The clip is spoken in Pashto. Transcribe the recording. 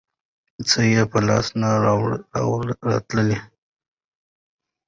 څه یې په لاس نه ورتلل.